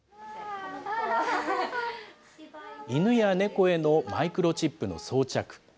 犬や猫へのマイクロチップの装着。